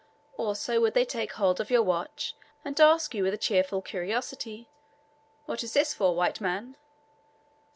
Also would they take hold of your watch and ask you with a cheerful curiosity, "What is this for, white man?"